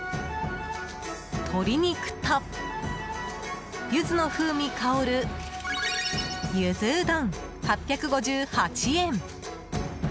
鶏肉と、ユズの風味香るゆずうどん、８５８円。